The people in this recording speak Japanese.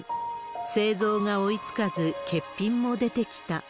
製造が追いつかず、欠品も出てきた。